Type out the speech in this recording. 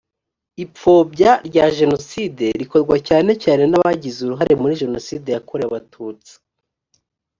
ipfobya rya jenoside rikorwa cyane cyane n’abagize uruhare muri jenoside yakorewe abatutsi